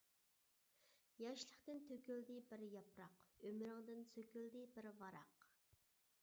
ياشلىقتىن تۆكۈلدى بىر ياپراق، ئۆمرۈڭدىن سۆكۈلدى بىر ۋاراق.